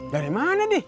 dari mana di